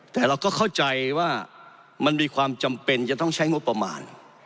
แต่เราก็เข้าใจว่ามันมีความจำเป็นจะต้องใช้งบประมาณ